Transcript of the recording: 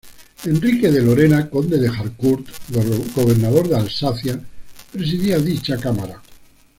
Enrique de Lorena, conde de Harcourt, Gobernador de Alsacia, presidía dicha Cámara.